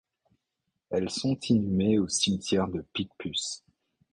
Elles sont inhumées au Cimetière de Picpus.